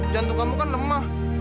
jantung kamu kan lemah